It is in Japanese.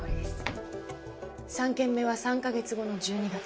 ３件目は３カ月後の１２月。